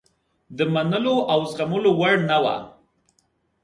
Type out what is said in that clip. د منلو او زغملو وړ نه وه.